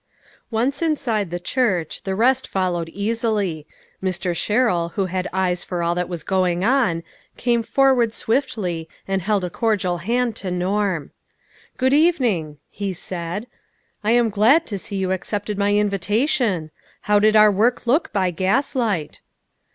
Once inside the church, the rest followed easily. Mr. Sherrill who had eyes for all that was going on, came forward swiftly and held a cordial hand to Norm. " Good evening," he said ;" I am glad to see you accepted my invitation. How did our work look by gaslight